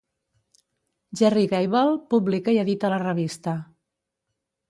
Gerry Gable publica i edita la revista.